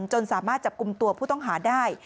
จนสามารถจับกลุ่มตัวผู้ต้องหาได้